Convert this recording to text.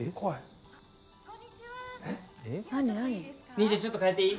兄ちゃんちょっと替えていい？